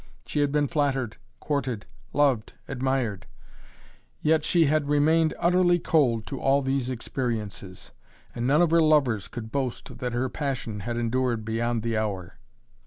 She had been flattered, courted, loved, admired. Yet she had remained utterly cold to all these experiences, and none of her lovers could boast that her passion had endured beyond the hour.